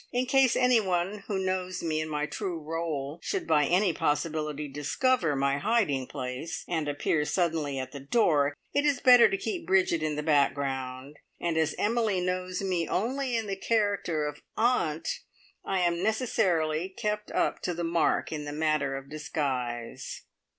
In case anyone who knows me in my true role should by any possibility discover my hiding place, and appear suddenly at the door, it is better to keep Bridget in the background, and as Emily knows me only in the character of aunt, I am necessarily kept up to the mark in the matter of disguise.